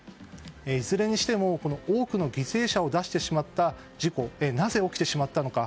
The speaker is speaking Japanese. いずれにしても多くの犠牲者を出してしまった事故はなぜ起きてしまったのか。